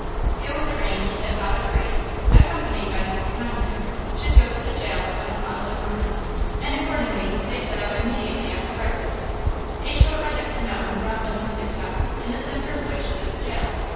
It was arranged that Father Gray, accompanied by Mrs. Condiment, should go to the jail upon the following morning; and, accordingly, they set out immediately after breakfast. A short ride up the mountain brought them to Tip Top, in the center of which stood the jail.